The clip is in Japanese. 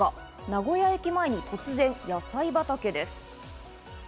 名古屋駅前に突然、野菜畑です。